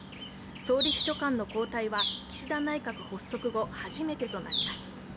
総理秘書官の交代は岸田内閣発足後、初めてとなります。